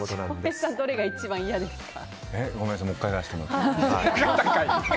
翔平さんどれが一番嫌ですか？